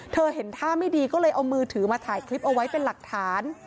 เห็นท่าไม่ดีก็เลยเอามือถือมาถ่ายคลิปเอาไว้เป็นหลักฐาน